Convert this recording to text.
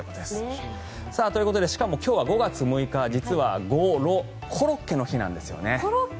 ということで今日は５月６日実はゴロコロッケの日なんです。